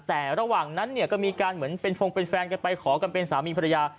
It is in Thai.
แต่ระหว่างนั้นเนี่ยก็มีการเหมือนเป็นฟงเป็นแฟนกันไปขอกันเป็นสามีภรรยา